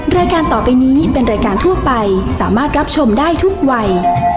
รายการต่อไปนี้เป็นรายการทั่วไปสามารถรับชมได้ทุกวัย